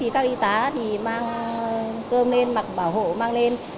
các y tá mang cơm lên mặc bảo hộ mang lên